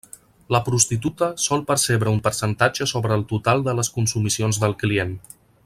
La prostituta sol percebre un percentatge sobre el total de les consumicions del client.